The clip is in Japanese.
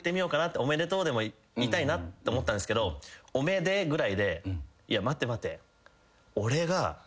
「おめでとう」でも言いたいなと思ったんですけど「おめで」ぐらいでいや待て待て。